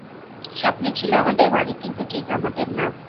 স্বপ্নে ছিল আমাদের বাড়ি, কিন্তু ঠিক আমাদের না।